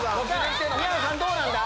宮野さんどうなんだ？